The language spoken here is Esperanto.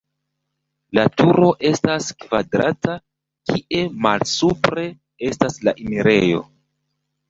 La turo estas kvadrata, kie malsupre estas la enirejo.